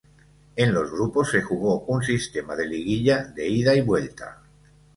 En los grupos se jugó un sistema de liguilla de ida y vuelta.